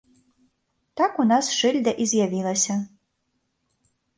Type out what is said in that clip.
Так у нас шыльда і з'явілася.